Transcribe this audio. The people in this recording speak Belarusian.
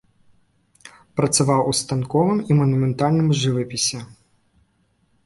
Працаваў у станковым і манументальным жывапісе.